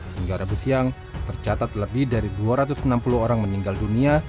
hingga rabu siang tercatat lebih dari dua ratus enam puluh orang meninggal dunia